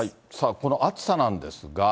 この暑さなんですが。